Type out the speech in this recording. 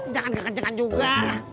jangan kekecekan juga